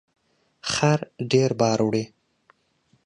خر ډیر بار وړي